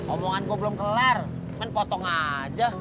omongan gue belum kelar menpotong aja